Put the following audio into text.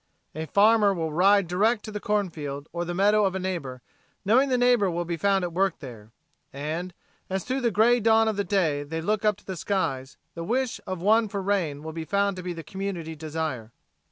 A farmer will ride direct to the cornfield or the meadow of a neighbor, knowing the neighbor will be found at work there. And, as through the gray dawn of the day they look up to the skies, the wish of one for rain will be found to be the community desire.